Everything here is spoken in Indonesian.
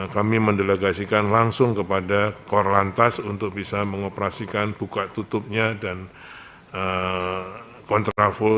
kami mendelegasikan langsung kepada korlantas untuk bisa mengoperasikan buka tutupnya dan kontraful